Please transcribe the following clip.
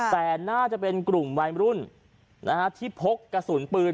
แต่น่าจะเป็นกลุ่มวัยรุ่นที่พกกระสุนปืน